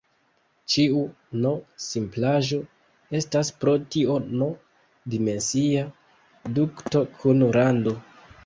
Ĉiu "n"-simplaĵo estas pro tio "n"-dimensia dukto kun rando.